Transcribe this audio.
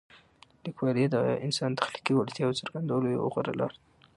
لیکوالی د انسان د تخلیقي وړتیاوو څرګندولو یوه غوره لاره ده.